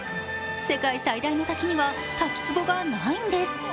世界最大の滝には滝つぼがないんです。